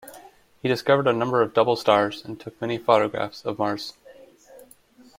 He discovered a number of double stars and took many photographs of Mars.